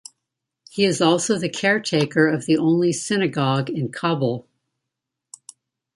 He is also the caretaker of the only synagogue in Kabul.